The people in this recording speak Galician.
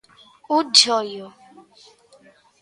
Un choio.